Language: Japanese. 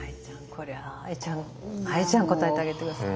これＡＩちゃんＡＩちゃんが答えてあげて下さい。